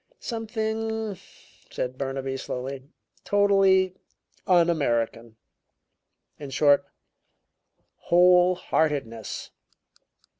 "Something," said Burnaby slowly, "totally un American in short, whole heartedness."